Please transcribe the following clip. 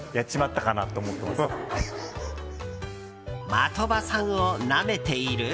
的場さんをなめている？